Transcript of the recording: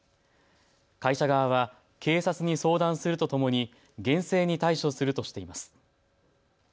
会社側は警察に相談するとともに厳正に対処するとしています。